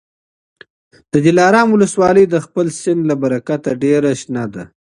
د دلارام ولسوالي د خپل سیند له برکته ډېره شنه ده.